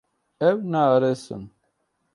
Ew naarêsin.